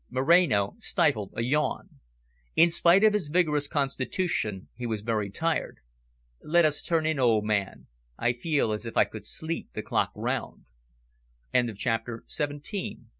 Moreno stifled a yawn. In spite of his vigorous constitution, he was very tired. "Let us turn in, old man. I feel as if I could sleep the clock round." CHAPTER EIGHTEEN.